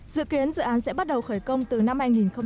dự kiến dự án sẽ bắt đầu khởi công từ năm hai nghìn một mươi tám